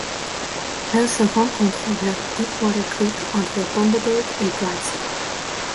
Elle se rencontre vers Deepwater Creek entre Bundaberg et Gladstone.